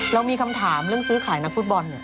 เรามีคำถามเรื่องซื้อขายนักฟุตบอล